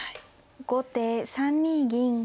後手３二銀。